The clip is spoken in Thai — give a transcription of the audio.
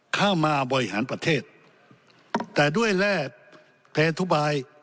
เข้ามาบริหารประเทศแต่ด้วยแร่เพทุบาย